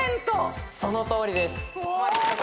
そのとおりです。